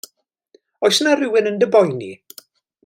Oes yna rywun yn dy boeni?